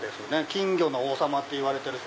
金魚の王さまといわれてる。